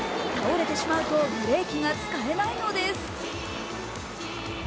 倒れてしまうとブレーキが使えないのです。